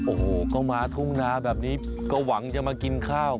โอ้โหก็มาทุ่งนาแบบนี้ก็หวังจะมากินข้าว